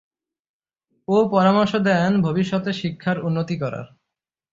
ও পরামর্শ দেন ভবিষ্যতে শিক্ষার উন্নতি করার।